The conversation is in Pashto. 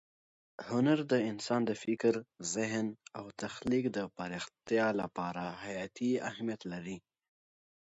هنر د انسان د فکر، ذهن او تخلیق د پراختیا لپاره حیاتي اهمیت لري.